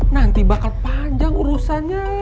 nanti bakal panjang urusannya